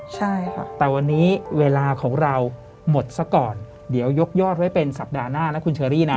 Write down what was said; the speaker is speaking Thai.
ใช่ค่ะแต่วันนี้เวลาของเราหมดซะก่อนเดี๋ยวยกยอดไว้เป็นสัปดาห์หน้านะคุณเชอรี่นะ